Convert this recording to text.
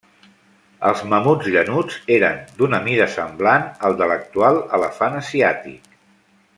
Els mamuts llanuts eren d'una mida semblant al de l'actual elefant asiàtic.